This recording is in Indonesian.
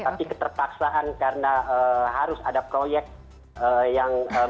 tapi keterpaksaan karena harus ada proyek yang berlaku